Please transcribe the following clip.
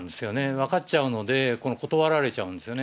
分かっちゃうので、断られちゃうんですよね。